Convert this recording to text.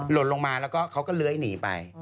หล่นลงมาแล้วก็เขาก็เลื้อยหนีไป